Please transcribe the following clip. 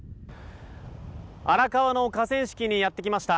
荒川の河川敷にやってきました。